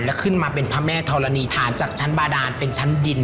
แล้วขึ้นมาเป็นพระแม่ธรณีฐานจากชั้นบาดานเป็นชั้นดิน